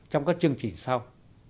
trong các chương trình sau